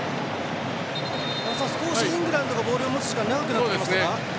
少しイングランドがボールを持つ時間長くなってきましたか？